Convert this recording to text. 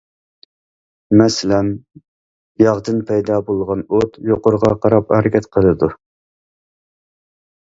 مەسىلەن، ياغدىن پەيدا بولغان ئوت يۇقىرىغا قاراپ ھەرىكەت قىلىدۇ.